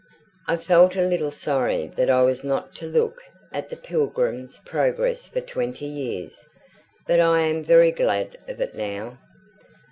I felt a little sorry that I was not to look at the Pilgrim's Progress for twenty years; but I am very glad of it now.